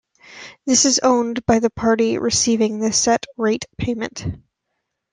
This is owned by the party receiving the set rate payment.